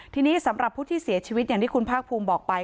ทีนี้สำหรับผู้ที่เสียชีวิตอย่างที่คุณภาคภูมิบอกไป